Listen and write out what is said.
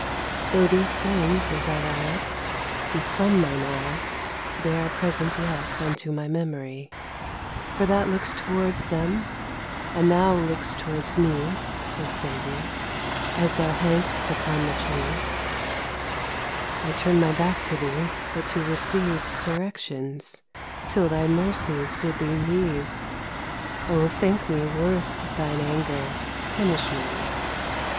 Though these things, as I ride, be from mine eye, They'are present yet unto my memory, For that looks towards them; and thou look'st towards mee,O Saviour, as thou hang'st upon the tree;I turne my backe to thee, but to receiveCorrections, till thy mercies bid thee leave.O thinke mee worth thine anger, punish mee.